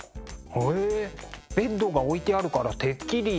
へえベッドが置いてあるからてっきり。